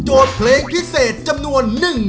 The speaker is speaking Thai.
โดยการแข่งขาวของทีมเด็กเสียงดีจำนวนสองทีม